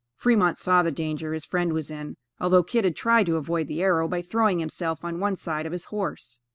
Fremont saw the danger his friend was in, although Kit had tried to avoid the arrow by throwing himself on one side of his horse.